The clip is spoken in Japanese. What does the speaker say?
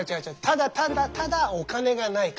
ただただただお金がないから。